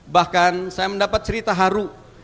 bahkan saya mendapat cerita haru